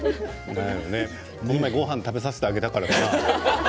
この間、ごはんを食べさせてあげたからかな？